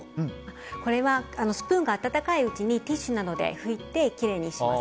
これはスプーンが温かいうちにティッシュなどで拭いてきれいにします。